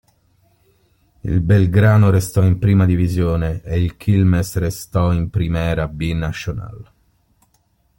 Il Belgrano restò in Prima Divisione e il Quilmes restò in Primera B Nacional.